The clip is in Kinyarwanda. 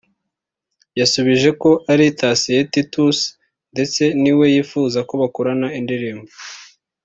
yasubije ko ari Thacien Titus ndetse ni we yifuza ko bakorana indirimbo